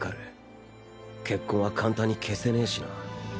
血痕は簡単に消せねえしな。